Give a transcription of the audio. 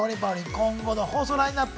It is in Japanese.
今後の放送ラインナップ。